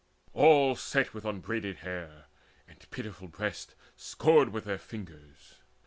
All Sat with unbraided hair and pitiful breasts Scored with their fingers.